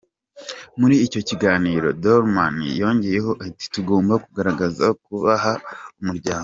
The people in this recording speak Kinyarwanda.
Muri icyo kiganiro, Dalman yongeyeho ati: "Tugomba kugaragaza kubaha umuryango.